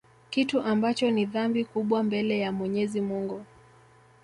kitu ambacho ni dhambi kubwa mbele ya Mwenyezi Mungu